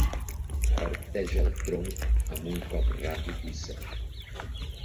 Parteix el tronc amb un cop ràpid i sec.